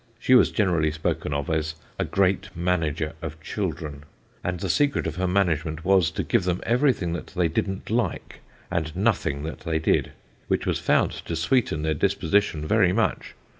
She was generally spoken of as "a great manager" of children; and the secret of her management was, to give them everything that they didn't like, and nothing that they did which was found to sweeten their dispositions very much.